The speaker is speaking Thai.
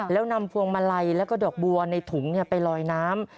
แล้วนำพวงมาลัยแล้วก็ดอกบัวในถุงไปลอยน้ำ